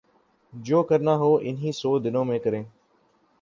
جو کرنا ہو انہی سو دنوں میں کریں۔